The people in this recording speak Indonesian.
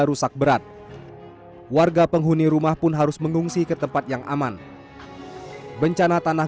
rusak berat warga penghuni rumah pun harus mengungsi ke tempat yang aman bencana tanah